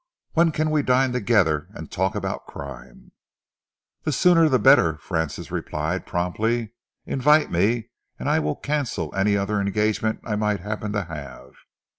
When can we dine together and talk about crime?" "The sooner the better," Francis replied promptly. "Invite me, and I will cancel any other engagement I might happen to have."